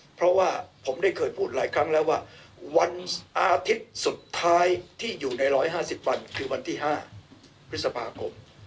เพราะว่าผมได้เคยพูดหลายครั้งแล้วว่าวันอาทิตย์สุดท้ายที่อยู่ใน๑๕๐วันคือวันที่๕พฤษภาคม